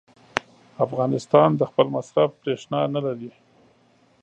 افغانستان د خپل مصرف برېښنا نه لري.